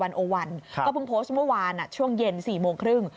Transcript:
ก็พึงโพสเมื่อวานช่วงเย็น๔โมงครึ่ง